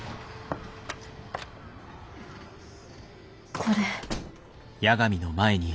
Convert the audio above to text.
これ。